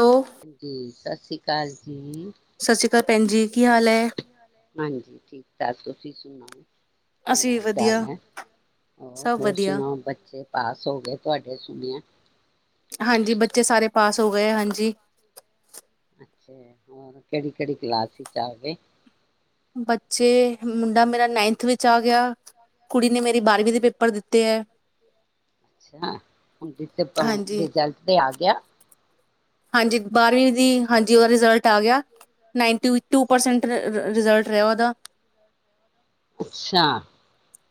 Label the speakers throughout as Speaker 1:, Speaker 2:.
Speaker 1: Hello
Speaker 2: ਹਾਂਜੀ ਅ ਸ਼ਿਕਾ ਜੀ
Speaker 1: ਸਤਿ ਸ਼੍ਰੀ ਅਕਾਲ ਭੈਣ ਜੀ ਕੀ ਹਾਲ ਹੈ
Speaker 2: ਹਾਂਜੀ ਠੀਕ ਠਾਕ ਤੁਸੀਂ ਸੁਣਾਓ ਕੀ
Speaker 1: ਅਸੀਂ ਵੀ
Speaker 2: ਹਾਲ ਚਾਲ
Speaker 1: ਵਧੀਆ।
Speaker 2: ਹੈ ਹੋਰ
Speaker 1: ਸਭ
Speaker 2: ਹੋਰ
Speaker 1: ਵਧੀਆ
Speaker 2: ਸੁਣਾੋ ਬੱਚੇ ਪਾਸ ਹੋ ਗਏ ਤੁਹਾਡੇ ਸੁਣਿਆ
Speaker 1: ਹਾਂਜੀ ਬੱਚੇ ਸਾਰੇ ਪਾਸ ਹੋ ਗਏ ਹਾਂਜੀ
Speaker 2: ਅੱਛਾ ਹੋਰ ਕਿਹੜੀ ਕਿਹੜੀ ਕਲਾਸ ਵਿਚ ਆ ਗਏ
Speaker 1: ਬੱਚੇ ਮੁੰਡਾ ਮੇਰਾ ਨਾਈਨਥ ਵਿੱਚ ਆ ਗਿਆ ਕੁੜੀ ਨੇ ਮੇਰੀ ਬਾਰ੍ਹਵੀਂ ਦੇ ਪੇਪਰ ਦਿੱਤੇ ਹੈ
Speaker 2: ਅੱਛਾ! ਹੁਣ ਜ
Speaker 1: ਹਾਂਜੀ
Speaker 2: ਰਿਜਲਟ ਤੇ ਆ [unintelligible]
Speaker 1: ਹਾਂਜੀ ਬਾਰਵੀਂ ਦੀ ਹਾਂਜੀ ਉਹਦਾ ਰਿਜ਼ਲਟ ਆ ਗਿਆ ਨਾਈਨਟੀ ਟੂ ਪਰਸੈਂਟ ਰਿਜ਼ਲਟ ਰਿਹਾ ਉਹਦਾ
Speaker 2: ਅੱਛਾ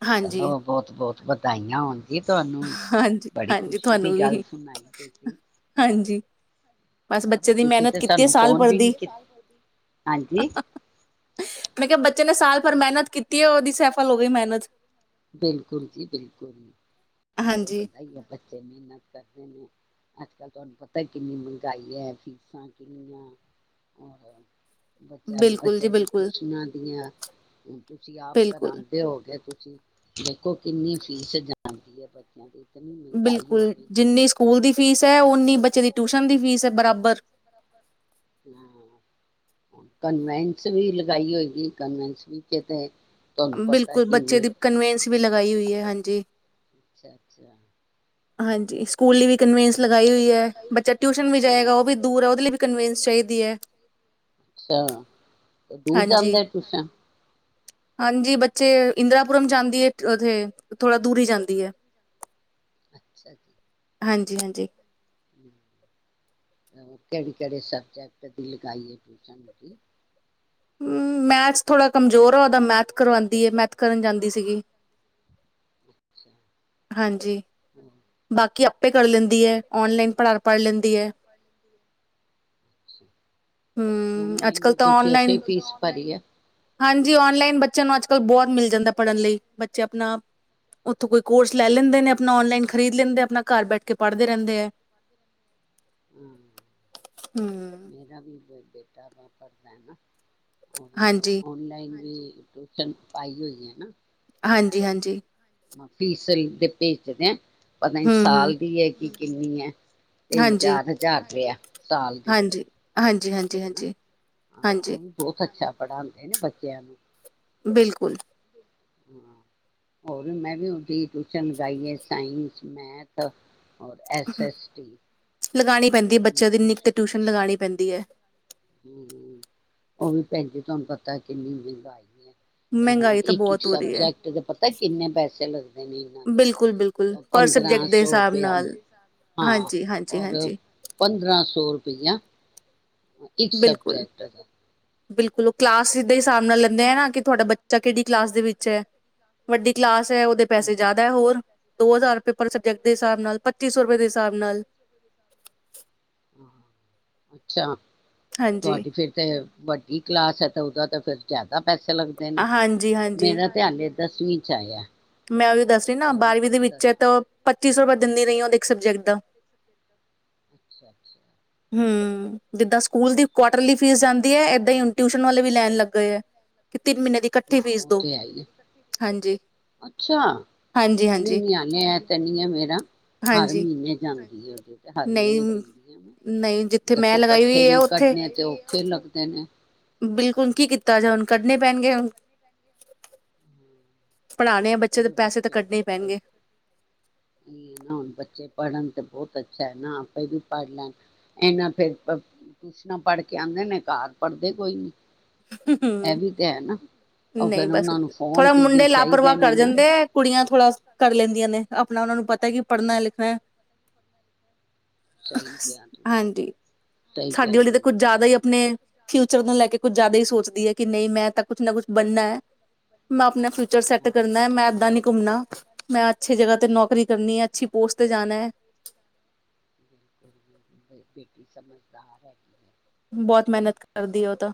Speaker 1: ਹਾਂਜੀ
Speaker 2: ਚਲੋ ਬਹੁਤ ਬਹੁਤ ਵਧਾਈਆਂ ਹੋਣ ਜੀ ਤੁਹਾਨੂੰ
Speaker 1: ਹਾਂਜੀ
Speaker 2: ਬੜੀ
Speaker 1: ਹਾਂਜੀ
Speaker 2: ਖੁਸ਼ੀ ਦੀ
Speaker 1: ਤੁਹਾਨੂੰ ਵੀ
Speaker 2: ਗੱਲ
Speaker 1: ਹੀ
Speaker 2: ਸੁਣਾਈ ਤੁਸੀਂ
Speaker 1: ਹਾਂਜੀ ਬਸ ਬੱਚੇ ਦੀ
Speaker 2: ਤੁਸੀਂ
Speaker 1: ਮਿਹਨਤ
Speaker 2: ਤੇ
Speaker 1: ਕੀਤੀ ਹੈ
Speaker 2: ਸਾਨੂੰ
Speaker 1: ਸਾਲ
Speaker 2: ਫੋਨ ਵੀ ਨੀ
Speaker 1: ਪੜ੍ਹਦੀ
Speaker 2: ਕੀਤਾ ਹਾਂਜੀ
Speaker 1: ਮ ਕਿਹਾ ਬੱਚੇ ਨੇ ਸਾਲ ਭਰ ਮਿਹਨਤ ਕੀਤੀ ਉਹਦੀ ਸੈਫਲ ਹੋ ਗਈ ਮਿਹਨਤ
Speaker 2: ਬਿਲਕੁਲ ਜੀ ਬਿਲਕੁਲ ਜੀ ਇਹ ਤੇ
Speaker 1: ਹਾਂਜੀ
Speaker 2: ਹੁੰਦਾ ਹੀ ਆ ਬੱਚੇ ਮਿਹਨਤ ਅੱਜ ਕੱਲ੍ਹ ਤੁਹਾਨੂੰ ਪਤਾ ਕਿੰਨੀ ਮਹਿੰਗਾਈ ਹੈ, ਫੀਸਾਂ ਕਿੰਨੀਆਂ ਹੋਰ ਬੱਚਿਆਂ ਦੇ
Speaker 1: ਬਿਲਕੁਲ ਜੀ
Speaker 2: ਬੱਚਿਆਂ ਦੀ
Speaker 1: ਬਿਲਕੁਲ
Speaker 2: ਟਿਊਸ਼ਨ ਦੀਆਂ ਹਣ ਤੁਸੀਂ ਆਪ
Speaker 1: ਬਿਲਕੁਲ
Speaker 2: ਪਣਉਂਦੇ ਹੋਗੇ ਤੁਸੀਂ [unintelligible] ਦੇਖੋ ਕਿੰਨੀ ਫੀਸ ਜਾਂਦੀ ਹੈ ਬੱਚਿਆਂ ਦੀ ਇਤਨੀ ਮਹਿੰਗਾਈ ਹੋ
Speaker 1: ਬਿਲਕੁਲ
Speaker 2: ਗਈ ਹੈ
Speaker 1: ਜਿੰਨੀ ਸਕੂਲ ਦੀ ਫੀਸ ਹੈ ਓਨੀ ਬੱਚੇ ਦੀ ਟਿਊਸ਼ਨ ਦੀ ਫੀਸ ਹੈ ਬਰਾਬਰ
Speaker 2: ਕਨਵੈਂਸ ਵੀ ਲਗਾਈ ਹੋਏਗੀ ਕਨਵੈਸ ਵੀ ਕਿਤੇ
Speaker 1: ਬਿਲਕੁਲ ਬੱਚੇ ਦੀ ਕਨਵੈਨਸ ਵੀ ਲਗਾਈ ਹੋਈ ਹੈ ਹਾਂਜੀ
Speaker 2: ਅੱਛਾ ਅੱਛਾ ਹਾਂ
Speaker 1: ਹਾਂਜੀ ਸਕੂਲ ਲ ਵੀ
Speaker 2: ਹੋਲੀ
Speaker 1: ਕਨਵੈਨਸ ਲਗਾਈ ਹੋਈ ਹੈ ਬੱਚਾ ਟਿਊ ਵੀ ਜਾਏਗਾ ਉਹ ਵੀ ਦੂਰ ਆ ਦੇ ਲਈ ਵੀ ਕਵਨਸ ਚਾਹੀਦੀ ਹੈ
Speaker 2: ਹੈ ਅੱਛਾ ਦੂਰ
Speaker 1: ਹਾਂਜੀ
Speaker 2: ਜਾਂਦੇ ਟਊਸ਼ਨ
Speaker 1: ਹਾਂਜੀ ਬੱਚੇ ਇੰਦਰਾਪੁਰਮ ਜਾਂਦੀ ਹੈ ਉੱਥੇ ਥੋੜ੍ਹਾ ਦੂਰੀ ਹੀ ਜਾਂਦੀ ਹੈ
Speaker 2: ਅੱਛਾ ਜੀ
Speaker 1: ਹਾਂਜੀ ਹਾਂਜੀ
Speaker 2: ਕਿਹੜੇ ਕਿਹੜੇ ਸਬਜੈਕਟ ਦੀ ਲਗਾਈਏ ਟਿਊਸ਼ਨ ਦੀ
Speaker 1: ਹਮ ਮੈਥ ਥੋੜ੍ਹਾ ਕਮਜ਼ੋਰ ਆ ਉਹਦਾ ਮੈਥ ਕਰਵਾਉਦੀ ਹੈ ਮੈਥ ਕਰਨ ਜਾਂਦੀ ਸੀਗੀ ਹਾਂਜੀ ਬਾਕੀ ਆਪੇ ਕਰ ਲੈਂਦੀ ਹੈ ਓਨਲਾਈਨ ਪੜ੍ਹਾ ਪੜ੍ਹ ਲੈਂਦੀ ਹੈ ਹਮ ਅੱਜ
Speaker 2: ਓਨਲਾਈਨ
Speaker 1: ਕੱਲ
Speaker 2: ਵੀ
Speaker 1: ਤਾਂ
Speaker 2: ਤੁਸੀਂ ਓਥੇ
Speaker 1: ਔਨਲਾਈਨ
Speaker 2: ਹੀ ਫੀਸ ਭਰੀ ਆ
Speaker 1: ਹਾਂਜੀ ਔਨਲਾਈਨ ਬੱਚਿਆਂ ਨੂੰ ਅੱਜ ਕੱਲ ਬਹੁਤ ਮਿਲ ਜਾਂਦਾ ਪੜ੍ਹਨ ਲਈ ਬੱਚੇ ਆਪਣਾ ਉੱਥੋਂ ਕੋਈ ਕੋਰਸ ਲੈ ਲੈਂਦੇ ਨੇ ਆਪਣਾ ਔਨਲਾਈਨ ਖ਼ਰੀਦ ਲੈਂਦੇ ਆਪਣਾ ਘਰ ਬੈਠ ਕੇ ਪੜ੍ਹਦੇ ਰਹਿੰਦੇ ਹੈ
Speaker 2: ਹਮ [unintelligible] ਹੂੰ ਹੂੰ [inaudible]
Speaker 1: ਹਾਂਜੀ
Speaker 2: [unintelligible] ਤੇ ਟੂਸ਼ਨ ਪਾਈ ਹੋਈ ਹੈਾ
Speaker 1: ਹਾਂਜੀ ਹਾਂਜੀ
Speaker 2: ਫੀਸਲ ਤੇ ਪੇ ਦੇ ਹੈ ਪਤਾ ਹੀ
Speaker 1: ਹੂੰ ਹੂੰ
Speaker 2: ਸਾਲ ਦੀ ਹੈ ਕਿ ਕਿੰਨੀ ਹੈ ਤਿੰਨ
Speaker 1: ਹਾਂਜੀ
Speaker 2: ਚਾਰ ਹਜ਼ਾਰ ਰੁਪਆ ਸਾਲ ਦੀ
Speaker 1: ਹਾਂਜੀ ਹਾਂਜੀ ਹਾਂਜੀ
Speaker 2: ਹਨਾ।
Speaker 1: ਹਾਂਜੀ ਹਾਂਜੀ
Speaker 2: ਪੜਾਉਂਦੇ ਨੇ ਬੱਚਿਆਂ ਨੂੰ
Speaker 1: ਬਿਲਕੁਲ
Speaker 2: ਹ ਹੋਰ ਮੈਂ ਵੀ ਉਹਦੀ ਟਊਸ਼ਨ ਲਗਾਈਏ ਸਾਇੰਸ ਮੈਥ ਔਰ ਐਸ ਐੱਸ ਟੀ
Speaker 1: ਲਗਾਉਣੀ ਪੈਂਦੀ ਹੈ
Speaker 2: ਲਗਾਣੀ
Speaker 1: ਬੱਚਿਆਂ ਦੀ ਇਨੀਿਕ ਤੇ ਟਿਊਸ਼ਨ ਲਗਾਉਣੀ ਪੈਂਦੀ ਹੈ
Speaker 2: ਹਮ ਉਹ ਵੀ ਪੈ ਤੁਹਾਨੂੰ ਪਤਾ ਕਿੰਨੀ ਮਹਿੰਗਾਈ ਹੈ ਤੇ ਹੁਣ
Speaker 1: ਮਹਿੰਗਾਈ ਤਾਂ
Speaker 2: ਇੱਕ ਇੱਕ
Speaker 1: ਬਹੁਤ ਹੋ ਰਹੀ ਹੈ
Speaker 2: ਸਬਜੈਕਟ ਦੇ ਪਤਾ ਕਿੰਨੇ ਪੈਸੇ ਲੱਗਦੇ ਨੇ ਇਹਨਾਂ ਦੇ
Speaker 1: ਬਿਲਕੁਲ ਬਿਲਕੁਲ ਪਰ ਸਬਜੈਕਟ
Speaker 2: ਪੰਦਰਾਂ
Speaker 1: ਦੇ
Speaker 2: ਸੌ
Speaker 1: ਹਿਸਾਬ
Speaker 2: ਰੁਪਇਆ
Speaker 1: ਨਾਲ ਹਾਂਜੀ
Speaker 2: ਹਾਂ
Speaker 1: ਹਾਂਜੀ
Speaker 2: ਰ
Speaker 1: ਹਾਂਜੀ
Speaker 2: ਪੰਦਰਾਂ ਸੌ ਰੁਪਇਆ ਇੱਕ
Speaker 1: ਬਿਲਕੁਲ
Speaker 2: ਸਬਜੈਕਟ ਤੋਂ
Speaker 1: ਬਿਲਕੁਲ ਉਹ ਕਲਾਸ ਦੇ ਹਿਸਾਬ ਨਾਲ ਲੈਂਦੇ ਆ ਨਾ ਕਿ ਤੁਹਾਡਾ ਬੱਚਾ ਕਿਹੜਡੀ ਕਲਾਸ ਦੇ ਵਿੱਚ ਹੈ ਵੱਡੀ ਕਲਾਸ ਉਹਦੇ ਪੈਸੇ ਜ਼ਿਆਦਾ ਹੋਰ ਦੋ ਹਜ਼ਾਰ ਰੁਪਏ ਪਰ ਸਬਜੈਕਟ ਦੇ ਹਿਸਾਬ ਨਾਲ ਪੱਚੀ ਸੌ ਰੁਪਏ ਦੇ ਹਿਸਾਬ ਨਾਲ
Speaker 2: ਹਹ ਅੱਛਾ
Speaker 1: ਹਾਂਜੀ
Speaker 2: ਤੁਹਾਡੀ ਫੇਿਰ ਤੇ ਵੱਡੀ ਕਲਾਸ ਹੈ ਤਾਂ ਉਹਦਾ ਤਾਂ ਫਿਰ ਜ਼ਿਆਦਾ ਪੈਸੇ ਲੱਗਦੇ ਨੇ
Speaker 1: ਹਾਂਜੀ ਹਾਂਜੀ
Speaker 2: ਮੇਰਾ ਧਿਆਨ ਤਸਵਂ ਛਾਇ
Speaker 1: ਮੈਂ ਉਹ ਵੀ ਦੱਸਵ ਨਾ ਬਾਰਵੀਂ ਦੇ ਵਿੱਚ ਤਾਂ ਪੱਚੀ ਸੌ ਦਿੰਦੀ ਰਹੀ ਉਹਦੇ ਇੱਕ ਸਬਜੈਕਟ ਦਾ
Speaker 2: ਅੱਛਾ ਅੱਛਾ
Speaker 1: ਹਮ ਜਿੱਦਾਂ ਸਕੂਲ ਦੀ ਕੁਆਟਰਲੀ ਫੀਸ ਜਾਂਦੀ ਹੈ ਏਦਾਂ ਹੀਣ ਟਿਊਸ਼ਨ ਵਾਲੇ ਵੀ ਲੈਣ ਲੱਗੇਏ ਹੈ ਤਿੰਨ ਮਹੀਨੇ ਦੀ ਇਕੱਠੀ
Speaker 2: ਹਾਂ
Speaker 1: ਫੀਸ
Speaker 2: ਉਹ
Speaker 1: ਦੋ
Speaker 2: ਤੇ ਆ ਹੀ ਆ
Speaker 1: ਹਾਂਜੀ
Speaker 2: ਅੱਛਾ
Speaker 1: ਹਾਂਜੀ
Speaker 2: ਨਹੀਂ
Speaker 1: ਹਾਂਜੀ
Speaker 2: ਨ ਆਨ ਐ ਤੇ ਨਹੀਂੀ ਆ ਮੇਰਾ ਹਰ
Speaker 1: ਹਾਂਜੀ
Speaker 2: ਮਹੀਨੇ ਜਾਂਦੀ ਹੈ ਉਹਦੇ ਤੇ ਹਰ
Speaker 1: ਨਹੀਂ
Speaker 2: ਮਹੀਨੇ ਦਿੰਦੀ ਆ
Speaker 1: ਨਹੀਂ ਜਿੱਥੇ ਮੈਂ
Speaker 2: ਦੇਖੋ
Speaker 1: ਲਗਾਈ
Speaker 2: ਇਕੱਠੇ
Speaker 1: ਹੋਈ ਹੈ
Speaker 2: ਵੀ
Speaker 1: ਉੱਥੇ
Speaker 2: ਕੱਨੇ ਤੇ ਔਖੇ ਲੱਗਦੇ ਨੇ
Speaker 1: ਬਿਲਕੁਲ ਕੀ ਕੀਤਾ ਜਾ ਹੁਣ ਕੱਢੇ ਪੈਣਗੇ ਪੜ੍ਹਾਣੇ ਆ ਬੱਚੇ ਦੇ ਪੈਸੇ ਤਾਂ
Speaker 2: ਬੱਚੇੁ
Speaker 1: ਕੱਢਣੇ ਹੀ ਪੈਣਗੇ
Speaker 2: ਨਾ ਹੁ ਬੱਚੇ ਪੜ੍ਹਨ ਤੇ ਬਹੁਤ ਅੱਛਾ ਹੈ ਨਾ ਆਪੇ ਵੀ ਪੜ੍ਹ ਲੈਣ ਇਹਨਾਂ ਫਿਰ ਟਊਸ਼ਨਾਂ ਪੜ੍ਹ ਕੇ ਆਉਂਦੇ ਨੇ ਘਰ ਪੜ੍ਹਦੇ ਕੋਈ ਨੀ ਇਹ ਵੀ ਤੇ ਹੈ ਨਾ ਉਹ
Speaker 1: ਨਹੀਂ
Speaker 2: ਫੇਿਰ
Speaker 1: ਬਸ
Speaker 2: ਉਹਨਾਂ ਨੂੰ ਫੋਨ
Speaker 1: ਥੋੜਾ
Speaker 2: ਤੇ ਵੀ
Speaker 1: ਮੁੰਡੇ
Speaker 2: ਚਾਹੀਦਾ
Speaker 1: ਲਾਪਰਵਾਹ ਕਰ ਜਾਂਦੇ ਆ ਕੁੜੀਆਂ ਤੋਂ ਥੋੜ੍ਹਾ ਕਰ ਲੈਂਦੀਆਂ ਨੇ ਆਪਣਾ ਉਹਨਾਂ ਨੂੰ ਪਤਾ ਕਿ ਪੜ੍ਹਨਾ ਲਿਖਣਾ
Speaker 2: ਸਹੀ ਕਿਹਾ ਤੁਸੀਂ
Speaker 1: ਹਾਂਜੀ
Speaker 2: ਸਹੀ
Speaker 1: ਸਾਡੇ
Speaker 2: ਕਹਿ
Speaker 1: ਵਾਲੀ ਤਾਂ
Speaker 2: ਰਹੇ ਹੋ
Speaker 1: ਕੁੱਝ ਜ਼ਿਆਦਾ ਹੀ ਆਪਣੇ ਫਿਊਚਰ ਨੂੰ ਲੈ ਕੇ ਜ਼ਿਆਦਾ ਹੀ ਸੋਚ ਮੈਂ ਆਪਣਾ ਫਿਊਚਰ ਸੈੱਟ ਕਰਨਾ ਹੈ ਮੈਂ ਏਦਾਂ ਨੀ ਘੁੰਮਣਾ ਮੈਂ ਅੱਛੀ ਜਗ੍ਹਾ ਤੇ ਨੌਕਰੀ ਕਰਨੀ ਹੈ ਅੱਛੀ ਪੋਸਟ ਤੇ ਜਾਣਾ ਹੈ
Speaker 2: [unintelligible] ਸਮਝਦਾਰ ਹੈ ਕੀ ਹੈ
Speaker 1: ਬਹੁਤ
Speaker 2: ਹਨਾ
Speaker 1: ਮਿਹਨਤ ਕਰਦੀ ਉਹ ਤਾਂ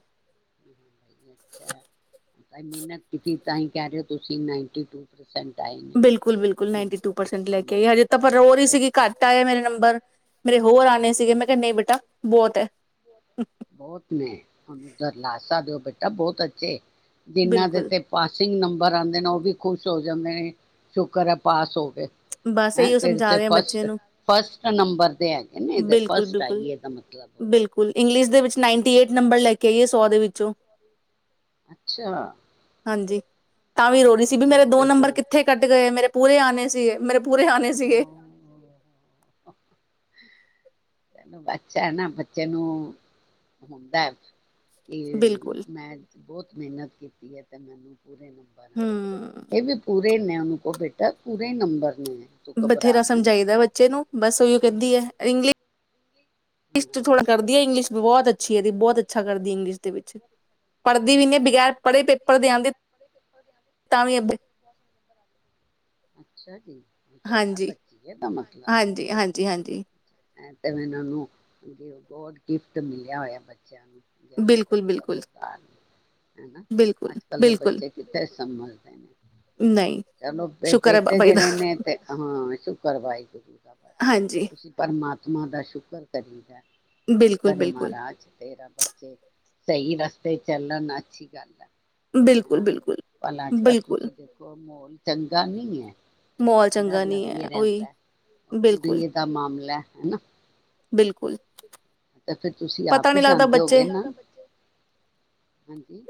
Speaker 2: ਅ ਮਿਹਨਤ ਕੀਤੀ ਤਾਂ ਹੀ ਕਹਿ ਰਹੇ ਹੋ ਤੁਸੀਂ ਨ
Speaker 1: ਬਿਲਕੁਲ ਬਿਲਕੁਲ ਨਨ ਪਰਸੈਂਟ ਲੈ ਕੇ
Speaker 2: ਹਨਾ
Speaker 1: ਆਈ ਹਜੇ ਤਾਂ ਪਰ ਰ ਹੀ
Speaker 2: ਤੇ
Speaker 1: ਸੀਗੀ ਘੱਟ ਆ ਮੇਰਾ ਨੰਬਰ ਮੇਰੇ ਹੋਰ ਆਉਣੇ ਸੀਗੇ ਮੈਂ ਕਿਹਾ ਨਹੀਂ ਬੇਟਾ ਬਹੁਤ ਹੈ
Speaker 2: ਬਹੁਤ ਨੇ ਤੁਾਨੂੰ ਦਰ ਲਾਸਾ ਦਿਓ ਬ ਸਭ ਬਹੁਤ ਅੱਛੇ ਜਿੰਨਾਂ ਦੇ
Speaker 1: ਬਿਲਕੁਲ
Speaker 2: ਤੇ ਪਾਸਿੰਗ ਨੰਬਰ ਆਉਂਦੇ ਨੇ ਉਹ ਵੀ ਖੁਸ਼ ਸੋਜ ਸ਼ੁਕਰ ਹੈ ਪਾਸ ਹੋ ਗਏ
Speaker 1: ਬਸ
Speaker 2: ਹੈਂ
Speaker 1: ਇਹੀਓ
Speaker 2: ਤੇ
Speaker 1: ਸਮਝਾ
Speaker 2: ਤੇ
Speaker 1: ਰਹੇ ਆ ਬੱਚੇ
Speaker 2: ਫਸਟ
Speaker 1: ਨੂੰ
Speaker 2: ਫਸਟ ਨੰਬਰ ਦੇ ਹੈਗੇ ਨੇ ਇਹਦੇ
Speaker 1: ਬਿਲਕੁਲ,
Speaker 2: ਫਸਟ
Speaker 1: ਬਿਲਕੁਲ,
Speaker 2: ਆਈਏ ਦਾ ਮਤਲਬ ਉਹ
Speaker 1: ਬਿਲਕੁਲ ਇੰਗਲਿਸ਼ ਵਿੱਚ ਨਾਈਨਟੀ ਏਟ ਨੰਬਰ ਲੈ ਕੇ ਇਹ ਸੌ ਦੇ ਵਿੱਚੋਂ
Speaker 2: ਅੱਛਾ
Speaker 1: ਹਾਂਜੀ ਤਾਂ ਵੀ ਰੋੜ ਸੀ ਵੀ
Speaker 2: ਨਾਈਨਟੀ
Speaker 1: ਮੇਰੇ
Speaker 2: ਏਟ
Speaker 1: ਦੋ
Speaker 2: ਦਾ
Speaker 1: ਨੰਬਰ ਕਿੱਥੇ ਕੱਢ ਗਏ ਮੇਰੇ ਪੂਰੇ ਆਉਣੇ ਸੀਗੇ ਮੇਰੇ ਪੂਰੇ ਹਣੇ ਸੀਗੇ
Speaker 2: ਤਨੂੰ ਬਦਾ ਨਾ ਬੱਚੇ ਨੂੰ ਹੁੰਦਾ ਤੇ
Speaker 1: ਬਿਲਕੁਲ
Speaker 2: ਮੈਂ ਬਹੁਤ ਮਿਹਨਤ ਕੀਤੀ ਹੈ ਤੇ ਮੈਨੂੰ ਪੂਰੇ ਨੰਬਰ
Speaker 1: ਹੂੰ।
Speaker 2: ਇਹ ਵੀ ਪੂਰੇ ਨੇ ਉਹ ਕੋ ਬੇਟਾ ਪੂਰੇ ਨੰਬਰ ਨੇ ਹੈ
Speaker 1: ਬਥੇਰਾ ਸਮਝਾਈਦਾ ਬੱਚੇ ਨੂੰ ਬਸ ਉਹੀਓ ਕਹਿੰਦੀ ਹੈ ਇੰਗਲਿਸ਼ ਟ
Speaker 2: ਹਾਂ
Speaker 1: ਥੜਾ ਕਰਦੀ ਹੈ ਇੰਗਿਸ਼ ਵੀ ਬਹੁਤ ਅੱਛੀ ਅੱਛੀ ਹੈਦੀ ਬਹੁਤ ਅੱਛਾ ਕਰਦੀ ਇੰਗਲਿਸ਼ ਦੇ ਵਿੱਚ ਪੜ੍ਹਦੀ ਵੀ ਨਹੀਂ
Speaker 2: ਅੱਛਾ
Speaker 1: ਬਗੈਰ ਪੜ੍ਹੇ ਪੇਪਰ ਦੇ ਆਦੇ ਤਾਂ ਵੀ ਅ
Speaker 2: ਅੱਛਾ ਜੀ ਹੁਸ਼ਿਆਰ
Speaker 1: ਹਾਂਜੀ
Speaker 2: ਬੱਚੀ ਹੈ ਇਹਦਾ ਮਤਲਬ
Speaker 1: ਹਾਂਜੀ ਹਾਂਜੀ ਹਾਂਜੀ
Speaker 2: ਤੇ ਇਹਨਾਂ ਨੂੰ ਗੋਡ ਗਿਫਟ ਮਿਲਿਆ ਹੋਇਆ ਬੱਚਿਆਂ ਨੂੰ ਜਦ ਇਤ
Speaker 1: ਬਿਲਕੁਲ,
Speaker 2: ਸ
Speaker 1: ਬਿਲਕੁਲ,
Speaker 2: ਬਦਾ ਹਨਾ
Speaker 1: ਬਿਲਕੁਲ,
Speaker 2: ਅੱਜ ਕੱਲ ਦੇ
Speaker 1: ਬਿਲਕੁਲ
Speaker 2: ਬੱਚੇ ਕਿੱਥੇ ਸਮਝਦੇ ਨੇ
Speaker 1: ਨਹੀਂ
Speaker 2: ਚਲੋ
Speaker 1: ਸ਼ੁਕਰ ਹੈ
Speaker 2: ਬੇਟੇ
Speaker 1: ਬਾਬਾ ਜੀ ਦਾ
Speaker 2: ਜਿਹੜੇ ਨੇ ਤੇ ਹਾਂ ਸ਼ੁਕਰ ਵਾਹਿਗੁਰੂ ਦਾ
Speaker 1: ਹਾਂਜੀ
Speaker 2: ਤੁਸੀਂ ਪਰਮਾਤਮਾ ਦਾ ਸ਼ [unintelligible] ਸੁ
Speaker 1: ਬਿਲਕੁਲ,
Speaker 2: ਕਰੇ
Speaker 1: ਬਿਲਕੁਲ।
Speaker 2: ਮਹਾਰਾਜ ਤੇਰਾ ਬੱਚੇ ਸਹੀ ਰਸਤੇ ਚੱਲਣ ਅੱਛੀ ਗੱਲ ਹੈ ਹਨਾ
Speaker 1: ਬਿਲਕੁਲ-ਬਿਲਕੁਲ,
Speaker 2: ਪਲ ਅੱਜ
Speaker 1: ਬਿਲਕੁਲ
Speaker 2: ਕੱਲ
Speaker 1: ਬਿਲਕੁਲ
Speaker 2: ਤੁਸੀਂ ਦੇਖੋ ਮੋਲ ਚੰਗਾ ਨੀ ਹੈ
Speaker 1: ਮਾਹੌਲ ਚੰਗਾ
Speaker 2: ਡਰ
Speaker 1: ਨਹੀਂ
Speaker 2: ਲੱਗ
Speaker 1: ਹੈ ਉਹੀ
Speaker 2: ਰਹਿੰਦਾ ਉਹ
Speaker 1: ਬਿਲਕੁਲ,
Speaker 2: ਕੁੜੀਏ ਦਾ ਮਾਮਲਾ ਹਨਾ
Speaker 1: ਬਿਲਕੁਲ
Speaker 2: ਤੇ ਫਿਰ ਤੁਸੀਂ
Speaker 1: ਪਤਾ
Speaker 2: ਆਪ ਹੀ
Speaker 1: ਨਹੀਂ ਲੱਗਦਾ
Speaker 2: ਜਾਂਦੇ
Speaker 1: ਬੱਚੇ
Speaker 2: ਹੋਗੇ ਨਾ ਹਾਂਜੀ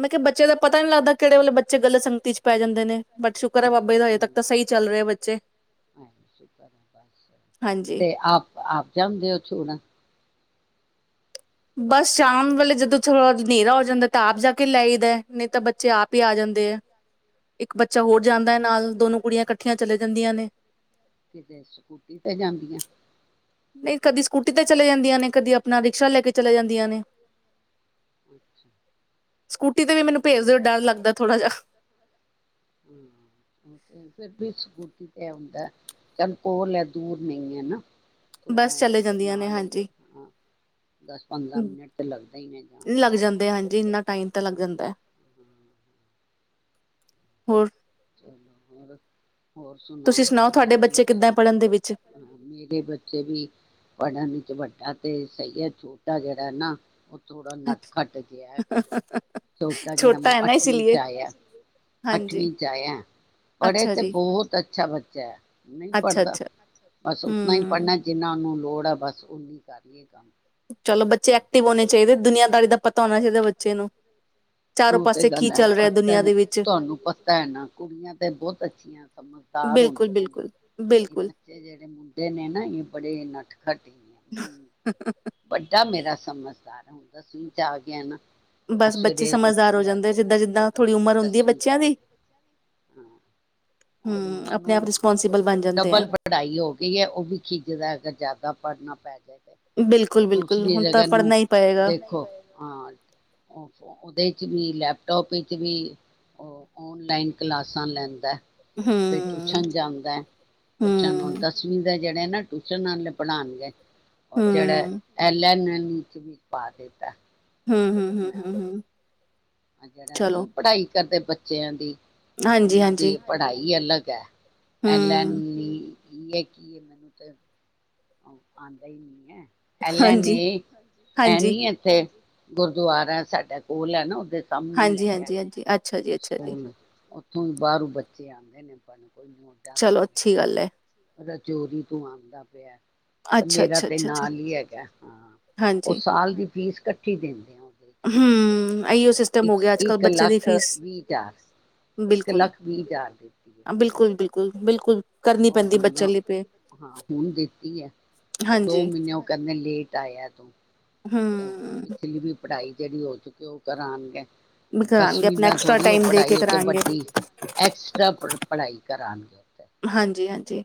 Speaker 1: ਮੈਂ ਕਿਹਾ ਬੱਚੇ ਦਾ ਪਤਾ ਨੀ ਲੱਗਦਾ ਕਿਹੜੇ ਵੇੇ ਬੱਚੇ ਗਲਤ ਸੰਗਤੀ ਚ ਪੈ ਜਾਂਦੇ ਨੇ ਬਟ ਹੈ ਬਾਬੇ ਦਾ ਹਜੇ ਤੱਕ ਤਾਂ ਸਹੀ ਚੱਲ ਰਹੇ ਬੱਚੇ ਹਾਂਜੀ
Speaker 2: ਤੇ ਆਪ ਆਪ ਜਾਂਦੇ ਹੋ ਛੂ ਨਾ
Speaker 1: ਬਸ ਸ਼ਾਮ ਵੇਲੇ ਜਦੋਂ ਥੋੜਾ ਹਨੇਰਾ ਹੋ ਜਾਂਦਾ ਤਾਂ ਆਪ ਜਾ ਕੇ ਲੈ ਹੀਦਾ ਨਹੀਂ ਤਾਂ ਬੱਚੇ ਆਪ ਹੀ ਆ ਜਾਂਦੇ ਹੈ ਇੱਕ ਬੱਚਾ ਹੋਰ ਜਾਂਦਾ ਹੈ ਨਾਲ ਦੋਨੋ ਕੁੜੀਆਂ ਇਕੱਠੀਆਂ ਚਲੇ ਜਾਂਦੀਆਂ ਨੇ
Speaker 2: ਕਿਤੇ ਸਕੂਟੀ ਤੇ ਜਾਂਦੀਆਂ
Speaker 1: ਨਹੀਂ ਕਦੀ ਸਕੂਟੀ ਤੇ ਚਲੇ ਜਾਂਦੀਆਂ ਨੇ ਕਦੀ ਆਪਣਾ ਰਿਕਸ਼ਾ ਲੈ ਕੇ ਚਲੇ ਜਾਂਦੀਆਂ ਨੇ
Speaker 2: [unintelligible]
Speaker 1: [unintelligible] ਤੇ ਮੈਨੂੰ ਭੇਜ ਦਿਓ ਡਰ ਲੱਦਾ ਥੋੜਾ ਜਹਾ
Speaker 2: ਹ ਫਿਰ ਵੀ ਸਕੂਟੀ ਤੇ ਆਉਂਦਾ ਚੱਲ ਕੋਲ ਹੈ ਦੂਰ ਨਹੀਂ ਹੈ ਨਾ ਥੋੜਾ
Speaker 1: ਬਸ ਚਲੇ ਜਾਂਦੀਆਂ ਨੇ
Speaker 2: ਨਾਲ ਹੀ
Speaker 1: ਹਾਂਜੀ
Speaker 2: ਹ ਦਸ ਪੰਦਰਾਂ ਮਿੰਟ ਲੱਗਦਾ ਹੀ ਨੇ ਜਾਣ
Speaker 1: ਲੱਗ ਜਾਂਦੇ ਹਾਂਜੀ ਇੰਨਾ ਟਾਈਮ ਤਾਂ
Speaker 2: ਤੇ
Speaker 1: ਲੱਗ
Speaker 2: ਹ
Speaker 1: ਜਾਂਦਾ ਹੈ
Speaker 2: ਹ
Speaker 1: ਹੋਰ
Speaker 2: ਹੋਰ ਹੋਰ
Speaker 1: ਤੁਸੀਂ
Speaker 2: ਸੁਣਾਓ
Speaker 1: ਤੁਹਾਡੇ
Speaker 2: ਬੱਚੀ
Speaker 1: ਬੱਚੇ
Speaker 2: ਤੇ
Speaker 1: ਕਿੱਦਾਂ ਪੜ੍ਹਨ ਦੇ ਵਿੱਚ
Speaker 2: ਮੇਰੇ ਬੱਚੇ ਵੀ ਪੜਨ ਦੀ ਵੱਡਾ ਤੇ ਸਹੀ ਹੈ ਛੋਟਾ ਜਿਹੜਾ ਨਾ ਥੋੜਾ ਨੱਟ ਖੱਟ ਜਿਹਾ ਹੈਗਾ ਛੋਟਾ ਜਿਹੜਾ ਮੈਂ
Speaker 1: ਹੈ ਨਾ ਇਸ
Speaker 2: ਅੱਠਵੀਂ ਚ
Speaker 1: ਲਈਏ
Speaker 2: ਆਇਆ
Speaker 1: ਹਾਂਜੀ
Speaker 2: ਅੱਠਵੀਂ ਪੜ੍ਹੇ
Speaker 1: ਅੱਛਾ
Speaker 2: ਤੇ
Speaker 1: ਜੀ
Speaker 2: ਬਹੁਤ ਅ ਅੱਛਾ ਬੱਚਾ ਹੈ ਨਹੀਂ
Speaker 1: ਅੱਛਾ
Speaker 2: ਪੜ੍ਹਦਾ
Speaker 1: ਅੱਛਾ
Speaker 2: ਬਸ ਉਤਨਾ ਹੀ
Speaker 1: ਹਮ
Speaker 2: ਪੜ੍ਹਨਾ ਜਿੰਨਾ ਉਹਨੂੰ ਲੋੜ ਆ ਬਸ ਉਓਹੀ ਕਰੀਏ ਕੰਮ
Speaker 1: ਚਲੋ ਬੱਚੇ ਐਕਟਿਵ ਹੋਣੇ ਚਾਹੀਦੇ ਦੁਨੀਆਂਦਾਰੀ ਦਾ ਪਤਾ ਹੋਣਾ ਚਾਹੀਦਾ ਬੱਚੇ ਨੂੰ ਚਾਰੋਂ
Speaker 2: ਉਹ ਤੇ
Speaker 1: ਪਾਸੇ ਕੀ
Speaker 2: ਗੱਲ
Speaker 1: ਚੱਲ
Speaker 2: ਹੈਤਾ
Speaker 1: ਰਿਹਾ ਦੁਨੀਆਂ ਦੇ ਵਿੱਚ
Speaker 2: ਤੁਹਾਨੂੰ ਪਤਾ ਹੈ ਨਾ ਕੁੜੀਆਂ ਤੇ ਬਹੁਤ ਅੱਛੀਆਂ ਸਮਝਦਾਰ
Speaker 1: ਬਿਲਕੁਲ
Speaker 2: ਹੁੰਦੀਆਂ ਨੇ
Speaker 1: ਬਿਲਕੁਲ
Speaker 2: ਇਹ
Speaker 1: ਬਿਲਕੁਲ
Speaker 2: ਬੱਚੇ ਜਿਹੜੇ ਮੁੰਡੇ ਨੇ ਨਾ ਇਹ ਬੜੇਨਾ
Speaker 1: [unintelligible]
Speaker 2: ਵੱਡਾ ਮੇਰਾ ਸਮਝਦਾਰ ਹੁਣਦਾ ਸ ਜਾ ਆ ਗਿਆ ਨਾ
Speaker 1: ਬਸ ਬੱਚੇ
Speaker 2: ਸਵੇਰੇ ਉੱਠ
Speaker 1: ਸਮਝਦਾਰ ਹੋ
Speaker 2: ਗਿਆ
Speaker 1: ਜਾਂਦੇ
Speaker 2: ਅੱਜ
Speaker 1: ਜਿੱਦਾਂ ਜਿੱਦਾਂ
Speaker 2: ਹਾਂ
Speaker 1: ਥੋੜ੍ਹੀ ਉਮਰ ਹੁੰਦੀ ਹੈ
Speaker 2: ਦਸਵੀਂ ਚ
Speaker 1: ਬੱਚਿਆਂ
Speaker 2: ਆ
Speaker 1: ਦੀ
Speaker 2: ਹਾਂ ਹੁਣ
Speaker 1: ਹਮ ਆਪਣੇ
Speaker 2: ਉਹਨੂੰ
Speaker 1: ਆਪ ਰਿਸਪੋਂਸੀਬਲ ਬਣ ਜਾਂਦੇ ਹੈ
Speaker 2: ਡਬਲ ਪੜ੍ਹਾਈ ਹੋ ਗਈ ਹੈ ਉਹ ਵੀ ਖਿਜ ਦਾ ਅਗਰ ਜ਼ਿਆਦਾ ਪੜ੍ਹਨਾ ਪੈ ਜਾਏ ਤੇ।
Speaker 1: ਬਿਲਕੁਲ ਬਿਲਕੁਲ
Speaker 2: ਦੂਸਰੀ
Speaker 1: ਹੁਣ ਤਾਂ
Speaker 2: ਜਗ੍ਹਾ ਨੂੰ
Speaker 1: ਪੜ੍ਹਨਾ ਹੀ ਪਏਗਾ
Speaker 2: ਦੇਖੋ ਅ ਉਹ ਉਹਦੇ ਚ ਵੀ ਲੈਪ ਟੋਪੀ ' ਵੀ ਉਹ ਔਨਲਾਈਨ ਕਲਾਸਾਂ ਲੈਂਦਾ ਫਿਰ
Speaker 1: ਹਮ
Speaker 2: ਟਿਊਸ਼ਨ ਜਾਂਦਾ ਹੈ ਟਿਊਸ਼ਨ
Speaker 1: ਹਮ
Speaker 2: ਦਸਵੀਂ ਦਾ ਜਿਹੜੇ ਨਾ ਟਿਊਸ਼ਨਾਂ ਆਲੇ ਪੜ੍ਹਾਣਗੇ। [unintelligible] [unintelligible]
Speaker 1: ਹਮ
Speaker 2: ਨੀਚ ਵੀ ਪਾ ਦਿੱਤਾ।
Speaker 1: ਹੂੰ- ਹੂੰ
Speaker 2: ਮੈਂ
Speaker 1: -ਹੂੰ-
Speaker 2: ਉਹਨੂੰ
Speaker 1: ਹੂੰ।
Speaker 2: ਜਿਹੜਾ
Speaker 1: ਚਲੋ
Speaker 2: ਨੀ ਪੜ੍ਹਾਈ ਕਰਦੇ ਬੱਚਿਆਂ ਦੀ ਉਹਨਾਂ
Speaker 1: ਹਾਂਜੀ-ਹਾਂਜੀ,
Speaker 2: ਦੀ ਪੜ੍ਹਾਈ ਅਲੱਗ [unintelligible] ਐਲ ਏਨ
Speaker 1: ਹੂੰ,
Speaker 2: ਈ [unintelligible] ਕੀ ਇਹ ਮੈਨੂੰ ਤਾਂ ਆਉਂਦਾ ਹੀ ਨਹੀਂ ਐ। ਐਲ ਏਨ
Speaker 1: ਹਾਂਜੀ,
Speaker 2: ਏ ਹੈ
Speaker 1: ਹਾਂਜੀ,
Speaker 2: ਨੀ ਇੱਥੇ ਗੁਰਦੁਆਰਾ ਹੈ ਸਾਡਾ ਕੋਲ ਐ ਨਾ ਉਧਰ
Speaker 1: ਹਾਂਜੀ - ਹਾਂਜੀ- ਹਾਂਜੀ ਅੱਛਾ ਜੀ ਅੱਛਾ ਜੀ।
Speaker 2: ਹੁਣ ਬਾਹਰੋਂ ਬੱਚੇ ਆਉਂਦੇ ਨੇ [unintelligible] ਕੋਈ ਮੋਢਾ ਤੋਂ
Speaker 1: ਚਲੋ
Speaker 2: ਆ ਰਿਹਾ
Speaker 1: ਅੱਛੀ ਗੱਲ ਐ,
Speaker 2: ਕੋਈ ਰਜੋਰੀ ਤੋਂ ਆਉਂਦਾ ਪਿਆ ਤੇ
Speaker 1: ਅੱਛਾ,
Speaker 2: ਮੇਰਾ
Speaker 1: ਅੱਛਾ,
Speaker 2: ਤੇ
Speaker 1: ਅੱਛਾ, ਅੱਛਾ,
Speaker 2: ਨਾਲ ਹੀ ਹੈਗਾ ਹਾਂ ਉਹ
Speaker 1: ਹਾਂਜੀ,
Speaker 2: ਸਾਲ ਦੀ ਫੀਸ ਇਕੱਠੀ ਦਿੰਦੇ ਓ [inaudible]
Speaker 1: ਇਓ ਸਿਸਟਮ ਹੋ ਗਿਆ ਅੱਜ ਕੱਲ ਬੱਚਿਆਂ ਦੀ ਫੀਸ
Speaker 2: ਵੀਹ ਹਜ਼ਾਰ। ਇੱਕ
Speaker 1: ਬਿਲਕੁੱਲ
Speaker 2: ਲੱਖ ਵੀਹ ਹਜ਼ਾਰ
Speaker 1: -ਬਿਲਕੁੱਲ-ਬਿਲਕੁੱਲ। ਕੁੱਲ -ਬਿਲਕੁਲ ਕਰਨੀ
Speaker 2: ਆ
Speaker 1: ਪੈਂਦੀ
Speaker 2: ਹੁਣ
Speaker 1: ਬੱਚਿਆਂ ਲਈ ਪੇ
Speaker 2: ਹਾਂ ਹੁਣ ਦਿੱਤੀ ਐ ਦੋ
Speaker 1: ਹਾਂਜੀ,
Speaker 2: ਮਹੀਨੇ ਓ ਕਹਿੰਦੇ ਲੇਟ ਆਇਆ ਤੂੰ।
Speaker 1: ਹੂੰ।
Speaker 2: ਹੁਣ ਪਿਛਲੀ ਵੀ ਪੜ੍ਹਾਈ ਜਿਹੜੀ ਹੋ ਚੁੱਕੀ ਉਹ ਕਰਾਨਗੇ
Speaker 1: ਵੀ ਕਰਾਣਗੇ
Speaker 2: ਦਸਵੀਂ
Speaker 1: ਆਪਣਾ
Speaker 2: ਦਾ
Speaker 1: ਐਕਸਟਰਾ
Speaker 2: ਥੋੜ੍ਹੀ ਉਹ
Speaker 1: ਟਾਈਮ ਦੇ ਕੇ
Speaker 2: ਪੜ੍ਹਾਈ [unintelligible]
Speaker 1: ਕਰਾਣਗੇ,
Speaker 2: ਵੱਡੀ ਐਕਸਟਰਾ ਪੜ੍ਹ ਪੜ੍ਹਾਈ ਕਰਾਨਗੇ ਉੱਥੇ
Speaker 1: ਜੀ।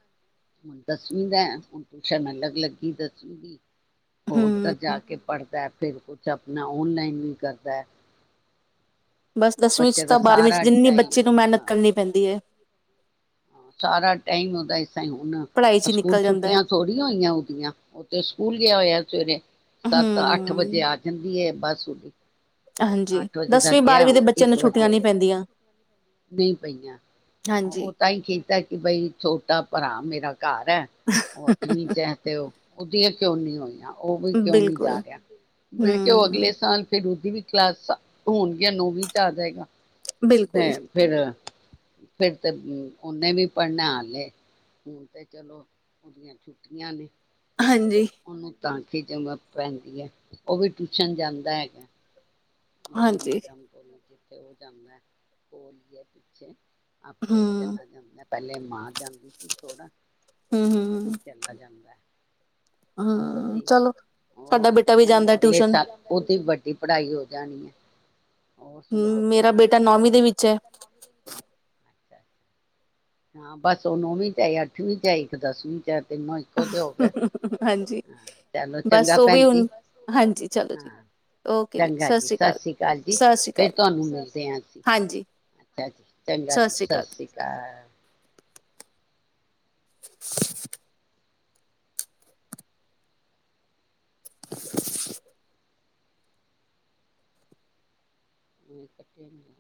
Speaker 2: [unintelligible] ਦਸਵੀਂ ਦਾ ਹੁਣ ਟੁਸ਼ਨ ਅਲੱਗ ਲੱਗੀ ਦਸਵੀਂ ਦੀ ਉਹ ਉੱਧਰ ਜਾ
Speaker 1: ਹੂੰ,
Speaker 2: ਕੇ ਪੜ੍ਹਦਾ ਫਿਰ ਕੁੱਛ ਆਪਣਾ ਔਨਲਾਈਨ ਵੀ ਕਰਦਾ ਐ
Speaker 1: ਬਸ ਦਸਵੀਂ ਚ ਤਾਂ ਬਾਰਵੀਂ ਚ ਜਿੰਨੀ ਬੱਚੀ ਨੂੰ ਮਿਹਨਤ
Speaker 2: ਹਾਂ।
Speaker 1: ਕਰਨੀ ਪੈਂਦੀ ਏ
Speaker 2: ਸਾਰਾ ਟਾਈਮ ਉਹਦਾ ਇਸ ਤਾਈ ਹੁਣ
Speaker 1: ਪੜ੍ਹਾਈ 'ਚ ਹੀ
Speaker 2: ਸਕੂਲ
Speaker 1: ਨਿਕਲ ਜਾਂਦਾ, ਹੈ।
Speaker 2: ਛੁੱਟੀਆਂ ਥੋੜ੍ਹੀ ਹੋਈਆਂ ਉਹਦੀਆਂ ਉ ਤੇ ਸਕੂਲ ਗਿਆ ਹੋਇਆ ਸਵੇਰੇ ਸੱਤ- ਅੱਠ
Speaker 1: ਹੂੰ।
Speaker 2: ਵਜੇ ਆ ਜਾਂਦੀ ਏ ਬਸ ਉਹਦੀ
Speaker 1: ਹਾਂਜੀ
Speaker 2: ਅੱਠ ਵਜੇ ਦਾ
Speaker 1: ਦਸਵੀਂ
Speaker 2: ਗਿਆ
Speaker 1: ਬਾਰਵੀਂ ਦੇ ਬੱਚਿਆਂ
Speaker 2: ਇੱਕ
Speaker 1: ਨੂੰ ਛੁੱਟੀਆਂ
Speaker 2: ਵਜੇ
Speaker 1: ਨੀ ਪੈਂਦੀਆਂ।
Speaker 2: ਨਹੀਂ ਪਈਆਂ, ਉਹ
Speaker 1: ਹਾਂਜੀ,
Speaker 2: ਤਾਂ ਹੀ ਕੀਤਾ ਕਿ ਬਈ ਛੋਟਾ ਭਰਾ। ਮੇਰਾ ਘਰ ਹੈ, ਉਹ ਅੱਠਵੀਂ ਚ ਹੈ ਤੇ ਉਹਦੀਆਂ ਹੋਈਆ। ਉਹ ਵੀ ਕਿਉਂ ਨੀ
Speaker 1: ਬਿਲਕੁਲ
Speaker 2: ਜਾ ਰਿਹਾ, ਮੈਂ ਕਿਹਾ ਉਹ ਅਗਲੇ
Speaker 1: ਹੂੰ,
Speaker 2: ਸਾਲ ਫਿਰ ਉਹਦੀਆ ਕਲਾਸਾ ਹੋਣਗੀਆਂ ਨੌਵੀਂ ਚ ਆ ਜਾਏਗਾ। ਤੇ
Speaker 1: ਬਿਲਕੁਲ
Speaker 2: ਫੇਰ ਫਿਰ ਤੇ ਉਹਨੇ ਵੀ ਪੜ੍ਹਨਾ ਹਾਲੇ, ਹੁਣ ਤੇ ਚਲੋ ਉਹਦੀਆਂ ਛੁੱਟੀਆਂ ਨੇ।
Speaker 1: ਹਾਂਜੀ।
Speaker 2: ਉਹਨੂੰ ਤਾਂ ਜਮਾ ਪੈਂਦੀ ਹੈ, ਉਹ ਵੀ ਟਿਊਸ਼ਨ ਜਾਂਦਾ ਹੈ। ਜੀ
Speaker 1: ਹਾਂਜੀ,
Speaker 2: ਮੈਡਮ ਕੋਲੋਂ। ਜਿੱਥੇ ਉਹ ਜਾਂਦਾ, ਉਹੀਏ ਪਿੱਛੇ। ਆਪੇ
Speaker 1: ਹੂੰ,
Speaker 2: ਚਲਾ ਜਾਂਦਾ। ਪਹਿਲੇ ਮਾਂ ਜਾਂਦੀ ਸੀ, ਥੋੜਾ
Speaker 1: ਹੂੰ,
Speaker 2: ਹੁਣ ਆਪੇ
Speaker 1: ਹੂੰ,
Speaker 2: ਹੀ ਚਲਾ ਜਾਂਦਾ। ਹੋਰ
Speaker 1: ਹੂੰ
Speaker 2: ਜੀ
Speaker 1: ਚਲੋ ਸਾਡਾ
Speaker 2: ਹੋਰ,
Speaker 1: ਬੇਟਾ ਵੀ
Speaker 2: ਹੁਣ
Speaker 1: ਜਾਂਦਾ
Speaker 2: ਅਗਲੇ
Speaker 1: ਟਿਊਸ਼ਨ
Speaker 2: ਸਾਲ ਉਹਦੀ ਦੀ ਪੜ੍ਹਾਈ ਹੋ ਗਈ। ਜਾਣਏ। ਹੋਰ
Speaker 1: ਹੂੰ
Speaker 2: ਸੁਣਾਓ
Speaker 1: ਮੇਰਾ
Speaker 2: ਤੁਸੀਂ
Speaker 1: ਬੇਟਾ ਨੌਵੀਂ ਦੇ ਵਿੱਚ ਐ।
Speaker 2: ਹਾਂ, ਬਸ ਉਹ ਨੌਵੀਂ ਚ ਆ, ਅੱਠਵੀਂ ਚ ਆ, ਇੱਕ ਦਸਵੀਂ ਚ ਆ।
Speaker 1: ਹਾਂਜੀ,
Speaker 2: ਹਾਂ ਚਲੋ
Speaker 1: ਬਸ
Speaker 2: ਚੰਗਾ
Speaker 1: ਉਹ ਵੀ
Speaker 2: ਭੈਣ
Speaker 1: ਹੁਣ
Speaker 2: ਜੀ
Speaker 1: ਹਾਂਜੀ, ਚਲੋ ਜੀ
Speaker 2: ਹਾਂ
Speaker 1: ਓ ਕੇ ਜੀ
Speaker 2: ਚੰਗਾ
Speaker 1: ਸਤਿ
Speaker 2: ਸਤਿ ਸ੍ਰੀ ਅਕਾਲ ਜੀ,
Speaker 1: ਸਤਿ ਸ਼੍ਰੀ
Speaker 2: ਫੇਰ
Speaker 1: ਅਕਾਲ
Speaker 2: ਤੁਹਾਨੂੰ ਮਿਲਦੇ ਹਾਂ ਅਸੀਂ।
Speaker 1: ਹਾਂਜੀ,
Speaker 2: ਚੰਗਾ ਜੀ, ਸਤਿ ਸ੍ਰੀ ਅਕਾਲ। ਹਾਂ।
Speaker 1: [unintelligible] [unintelligible]
Speaker 2: ਵੇਲ ਪੱਤਿਆਂ ਦੀਆਂ।